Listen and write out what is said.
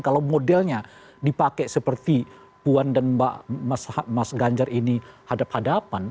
kalau modelnya dipakai seperti puan dan mas ganjar ini hadap hadapan